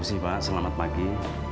berhenti pak selamat pagi